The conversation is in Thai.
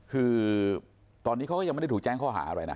คือตอนนี้เขาก็ยังไม่ได้ถูกแจ้งข้อหาอะไรนะ